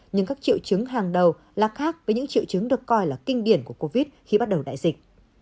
nhưng các triệu chứng hàng đầu là khác với những triệu chứng được coi là kinh điển của covid khi bắt đầu đại dịch